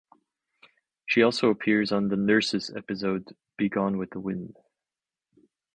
She also appears on the "Nurses" episode "Begone with the Wind".